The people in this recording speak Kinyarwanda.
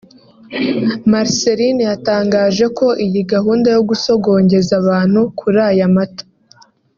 Marcellin yatangaje ko iyi gahunda yo gusogongeza abantu kuri aya amata